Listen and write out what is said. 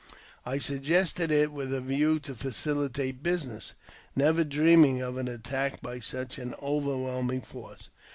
I suggested it with a view to facilitate business, never dreaming of an attack by such an'overwhelming force.